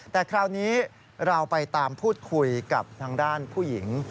แต่คราวนี้เราไปตามพูดคุยกับทางด้านผู้หญิง